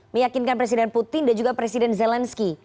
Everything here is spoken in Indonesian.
meyakinkan presiden putin dan juga presiden zelensky